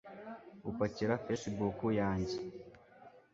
gupakira facebook yanjye